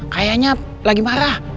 kayaknya lagi marah